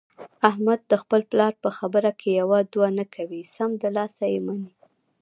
احمد د خپل پلار په خبره کې یوه دوه نه کوي، سمدلاسه یې مني.